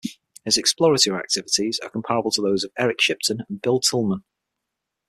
His exploratory activities are comparable to those of Eric Shipton and Bill Tilman.